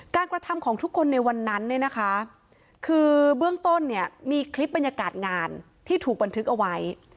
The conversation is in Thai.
กระทำของทุกคนในวันนั้นเนี่ยนะคะคือเบื้องต้นเนี่ยมีคลิปบรรยากาศงานที่ถูกบันทึกเอาไว้